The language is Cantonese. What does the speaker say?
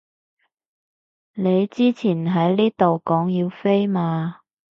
你之前喺呢度講要飛嘛